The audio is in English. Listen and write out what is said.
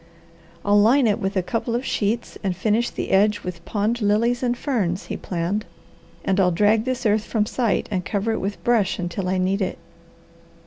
"I'll line it with a couple of sheets and finish the edge with pond lilies and ferns," he planned, "and I'll drag this earth from sight, and cover it with brush until I need it."